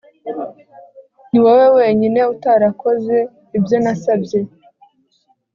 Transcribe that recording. niwowe wenyine utarakoze ibyo nasabye